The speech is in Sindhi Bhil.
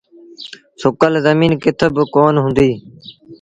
سُڪل زميݩ ڪٿ با ڪونا هُديٚ۔